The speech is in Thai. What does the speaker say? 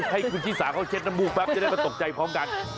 ให้คุณชิสาเขาเช็ดน้ำมูกแป๊บจะได้มาตกใจพร้อมกัน